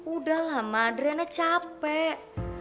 udah lah ma adriana capek